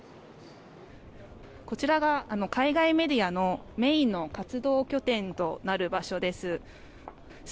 こちらが海外メディアのメインの活動拠点となる場所です。